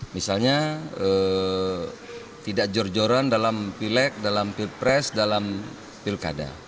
misalnya tidak jor joran dalam pileg dalam pilpres dalam pilkada